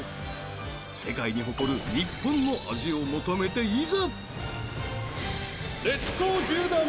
世界に誇る日本の味を求めていざ！